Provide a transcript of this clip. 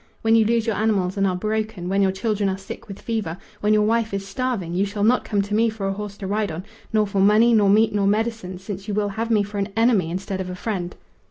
When you lose your animals and are broken, when your children are sick with fever, when your wife is starving, you shall not come to me for a horse to ride on, nor for money, nor meat, nor medicine, since you will have me for an enemy instead of a friend."